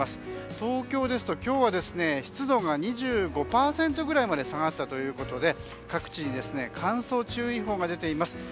東京ですと今日は湿度が２５％ぐらいまで下がったということで各地に乾燥注意報が出ています。